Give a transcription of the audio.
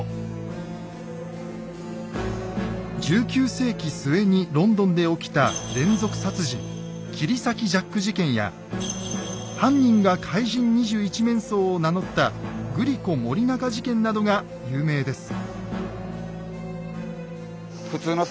１９世紀末にロンドンで起きた連続殺人切り裂きジャック事件や犯人が「かい人２１面相」を名乗ったグリコ・森永事件などが有名です。